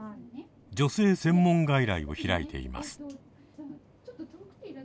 女性専門外来を開いています。